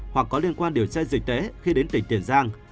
hoặc có liên quan điều tra dịch tễ khi đến tỉnh tiền giang